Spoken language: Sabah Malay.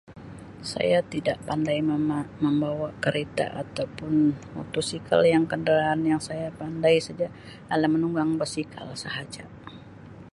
Saya tidak meman membawa kereta atau pun motosikal yang kenderaan yang saya pandai saja ala menunggang basikal sahaja.